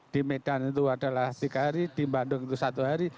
di medan itu adalah tiga hari di bandung itu satu hari